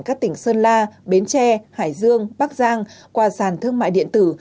các tỉnh sơn la bến tre hải dương bắc giang qua sàn thương mại điện tử